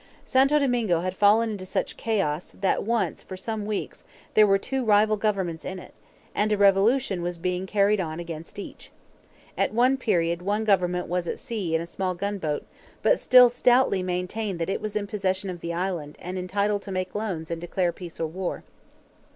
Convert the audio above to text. Santo Domingo had fallen into such chaos that once for some weeks there were two rival governments in it, and a revolution was being carried on against each. At one period one government was at sea in a small gunboat, but still stoutly maintained that it was in possession of the island and entitled to make loans and declare peace or war.